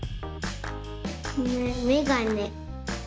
メめがね。